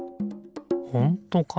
ほんとかな？